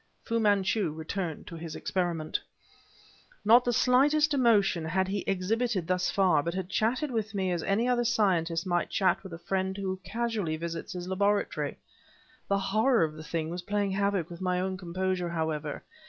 Fu Manchu returned to his experiment. Not the slightest emotion had he exhibited thus far, but had chatted with me as any other scientist might chat with a friend who casually visits his laboratory. The horror of the thing was playing havoc with my own composure, however.